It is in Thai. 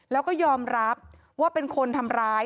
แล้วก็ยอมรับว่าเป็นคนทำร้าย